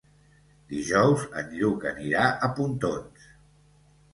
Dijous en Lluc anirà a Pontons.